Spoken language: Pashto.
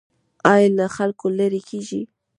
ایا له خلکو لرې کیږئ؟